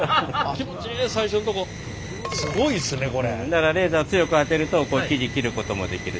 だからレーザー強く当てると生地切ることもできる。